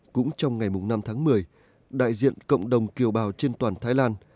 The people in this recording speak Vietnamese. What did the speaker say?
cũng trong ngày năm tháng một mươi đại diện cộng đồng kiều bào trên toàn thái lan